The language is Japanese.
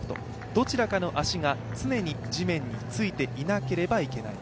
どちらかの足が常に地面についていなければいけない